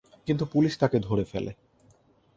কিন্তু পুলিশ তাকে ধরে ফেলে।